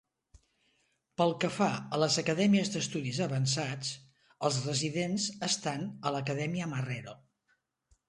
Pel que fa a les acadèmies d'estudis avançats, els residents estan a l'Acadèmia Marrero.